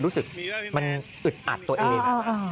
รู้สึกมันอึดอัดตัวเอง